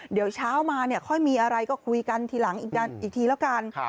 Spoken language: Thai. เดี๋ยวเช้ามาเนี่ยค่อยมีอะไรก็คุยกันทีหลังอีกทีแล้วกัน